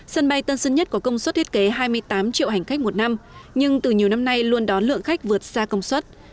sân bay tân sơn nhất có công suất thiết kế hai mươi tám triệu hành khách một năm nhưng từ nhiều năm nay luôn đón lượng khách vượt xa công suất